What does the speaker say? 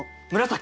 紫？